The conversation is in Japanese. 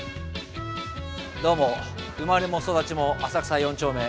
どうも生まれも育ちも浅草４丁目。